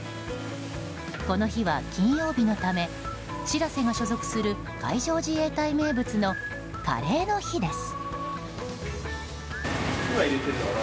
この日は金曜日のため「しらせ」が所属する海上自衛隊名物のカレーの日です。